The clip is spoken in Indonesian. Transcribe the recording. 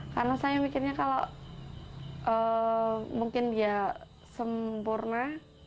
karena saya mikirnya kalau mungkin dia sempurna